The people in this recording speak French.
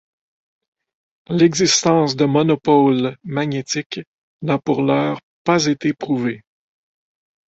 L'existence de monopôles magnétiques n'a pour l'heure pas été prouvée.